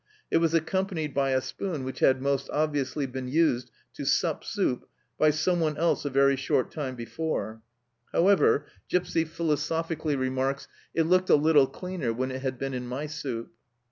It was accompanied by a spoon which had most obviously been used to " sup soup " by someone else a very short time before. However, Gipsy philosophi 90 THE CELLAR HOUSE OF PERVYSE cally remarks, " It looked a little cleaner when it had been in my soup